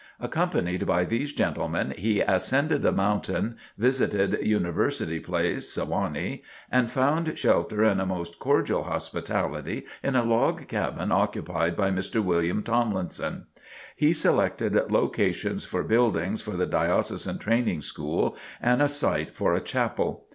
Accompanied by these gentlemen he ascended the mountain, visited "University Place," (Sewanee,) and found shelter and a most cordial hospitality in a log cabin occupied by Mr. William Tomlinson. He selected locations for buildings for the Diocesan Training School and a site for a chapel.